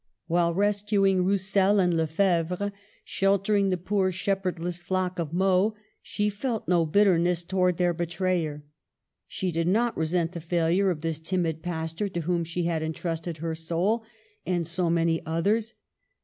While rescuing Roussel and Lefebvre, sheltering the poor shepherdless flock of Meaux, she felt no bitterness towards their betrayer. She did not resent the failure of this timid pastor to whom she had intrusted her soul and so many oth ers.